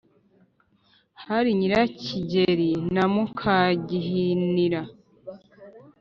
hari nyirakigeli na muka-gihinira.